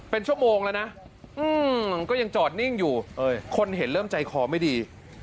เป็นชั่วโมงแล้วนะก็ยังจอดนิ่งอยู่คนเห็นเริ่มใจคอไม่ดี